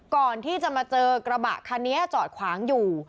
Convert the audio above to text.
ก่อนที่จะมาเจอกระบะคันนี้จอดขวางอยู่